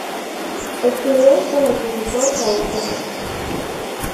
Estudió con el profesor Raúl Serrano.